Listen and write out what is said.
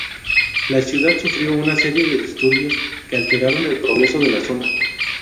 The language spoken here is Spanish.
La ciudad sufrió una serie de disturbios que alteraron el progreso de la zona.